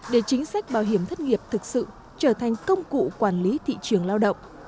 để chính sách bảo hiểm thất nghiệp thực sự trở thành công cụ quản lý thị trường lao động